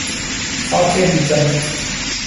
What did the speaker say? خاک بیجان